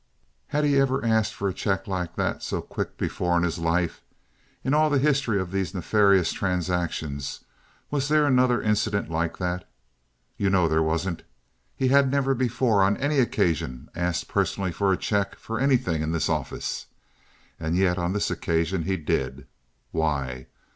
Had he ever asked for a check like that so quick before in his life? In all the history of these nefarious transactions was there another incident like that? You know there wasn't. He had never before, on any occasion, asked personally for a check for anything in this office, and yet on this occasion he did it. Why?